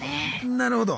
なるほど。